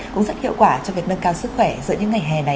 cũng rất hiệu quả cho việc nâng cao sức khỏe giữa những ngày hè này